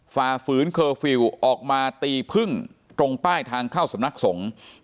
ฝ่าฝืนเคอร์ฟิลล์ออกมาตีพึ่งตรงป้ายทางเข้าสำนักสงฆ์